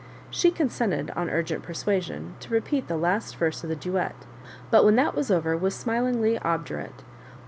She consent ed, on urgent persuasion, to repeat the last verse of the duet, but when that was over was smUing ly obdurate.